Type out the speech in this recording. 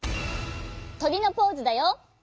とりのポーズだよ。